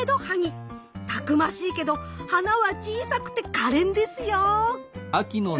たくましいけど花は小さくてかれんですよ。